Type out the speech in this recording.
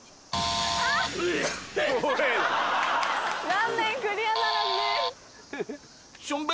残念クリアならずです。